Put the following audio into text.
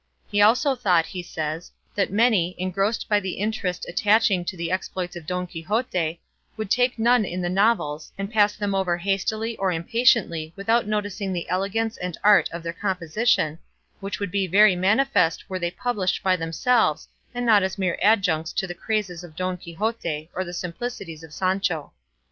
He also thought, he says, that many, engrossed by the interest attaching to the exploits of Don Quixote, would take none in the novels, and pass them over hastily or impatiently without noticing the elegance and art of their composition, which would be very manifest were they published by themselves and not as mere adjuncts to the crazes of Don Quixote or the simplicities of Sancho.